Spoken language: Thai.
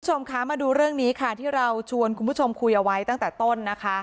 คุณผู้ชมคะมาดูเรื่องนี้ค่ะที่เราชวนคุณผู้ชมคุยเอาไว้ตั้งแต่ต้นนะคะ